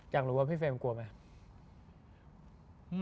อยากรู้ว่าพี่เฟรมกลัวไหม